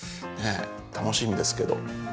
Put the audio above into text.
楽しみですけど。